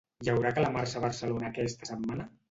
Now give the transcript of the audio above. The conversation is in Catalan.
Hi haurà calamarsa a Barcelona aquesta setmana?